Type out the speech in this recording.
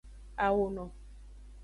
Awono.